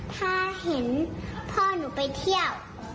ถ้าเห็นพ่อหนูไปเที่ยว